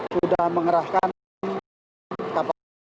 sudah mengerahkan kapal kapal ini